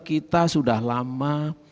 kita sudah lama